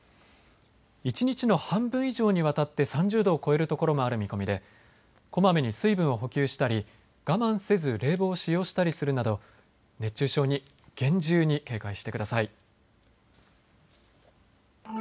一日の半分以上にわたって３０度を超えるところもある見込みでこまめに水分を補給したり、我慢せず冷房を使用したりするなど熱中症に厳重に警戒してください。